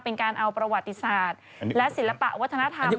เป็นการเอาประวัติศาสตร์และศิลปะวัฒนธรรม